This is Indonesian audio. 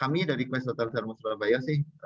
kami dari kementerian hotel jarmu surabaya